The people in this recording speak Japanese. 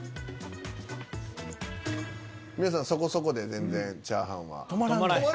皆さんそこそこで全然チャーハンは。